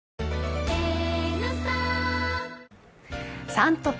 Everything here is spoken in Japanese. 「Ｓｕｎトピ」